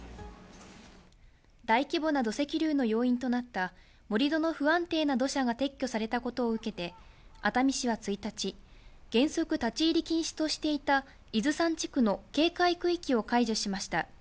大規模な土石流の要因となった、盛り土の不安定な土砂が撤去されたことを受けて、熱海市は１日、原則立ち入り禁止としていた伊豆山地区の警戒区域を解除しました。